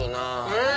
えっ！